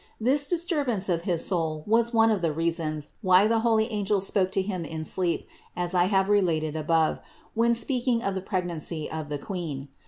This disturbance of his soul was one of the reasons why the holy angels spoke to him in sleep, as I have related above, when speaking of the pregnancy of the Queen.